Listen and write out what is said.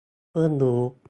เพิ่งรู้